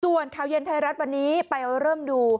ส่วนข่าวเย็นไทยรัฐวันนี้ไปเริ่มดู